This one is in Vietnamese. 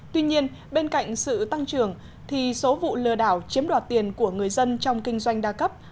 tuy nhiên bên cạnh sự tăng trưởng thì số vụ lừa đảo chiếm đoạt tiền của người dân trong kinh doanh đa cấp